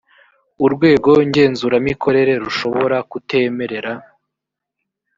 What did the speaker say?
urwego ngenzuramikorere rushobora kutemerera